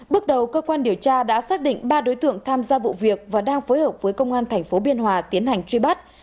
bước đầu cơ quan điều tra đã xác định ba đối tượng tham gia vụ việc và đang phối hợp với công an tp biên hòa tiến hành truy bắt